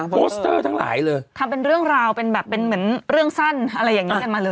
โสเตอร์ทั้งหลายเลยทำเป็นเรื่องราวเป็นแบบเป็นเหมือนเรื่องสั้นอะไรอย่างนี้กันมาเลย